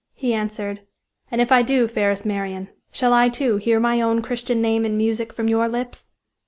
He answered: "And if I do, fairest Marian, shall I, too, hear my own Christian name in music from your lips?"